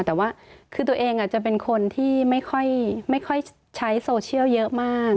แต่ว่าคือตัวเองจะเป็นคนที่ไม่ค่อยใช้โซเชียลเยอะมาก